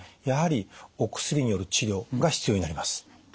やはりお薬による治療が必要になります。